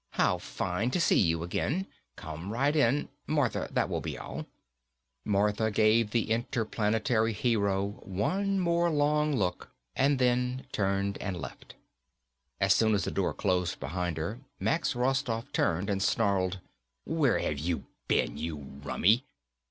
"How fine to see you again. Come right in. Martha, that will be all." Martha gave the interplanetary hero one more long look and then turned and left. As soon as the door closed behind her, Max Rostoff turned and snarled, "Where have you been, you rummy?"